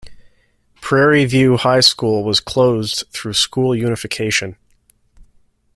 Prairie View High School was closed through school unification.